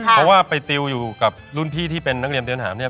เพราะว่าไปติวอยู่กับรุ่นพี่ที่เป็นนักเรียนเตรียมหามเนี่ย